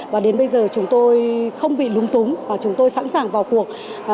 và đến bây giờ chúng tôi không bị lúng túng và chúng tôi sẵn sàng vào cuộc